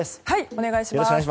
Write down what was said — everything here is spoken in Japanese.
お願いします。